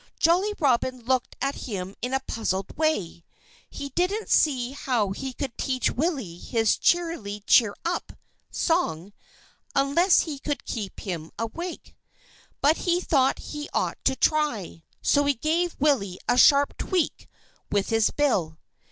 Jolly Robin looked at him in a puzzled way. He didn't see how he could teach Willie his "Cheerily cheerup" song unless he could keep him awake. But he thought he ought to try; so he gave Willie a sharp tweak with his bill.